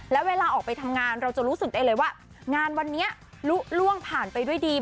แล้วเวลาออกไปทำงานเราจะรู้สึกได้เลยว่างานวันนี้ลุล่วงผ่านไปด้วยดี